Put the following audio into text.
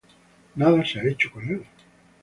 Nada se ha hecho con él.